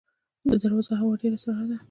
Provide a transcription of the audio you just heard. د درواز هوا ډیره سړه ده